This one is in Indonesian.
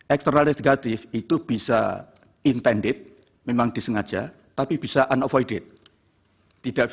eksternalitas negatif itu bisa intended memang disengaja tapi bisa unavoidated